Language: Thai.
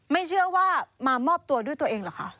ไม่เชื่อว่ามามอบตัวด้วยตัวเองเหรอคะ